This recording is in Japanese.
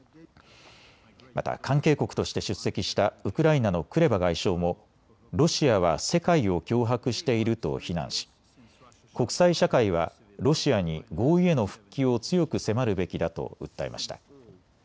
また関係国として出席したウクライナのクレバ外相もロシアは世界を脅迫していると非難し国際社会はロシアに合意への復帰を強く迫るべきだと訴えました。